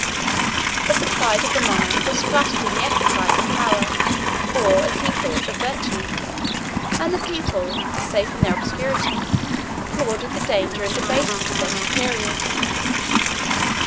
But the pride of the monarch was flattered in the exercise of power, or, as he thought, of virtue; and the people, safe in their obscurity, applauded the danger and debasement of their superiors.